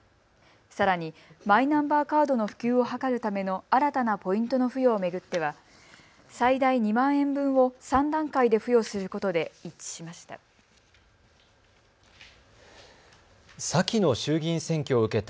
さらにマイナンバーカードの普及を図るための新たなポイントの付与を巡っては最大２万円分を３段階で付与することで一致しました。